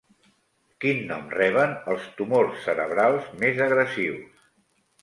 Quin nom reben els tumors cerebrals més agressius?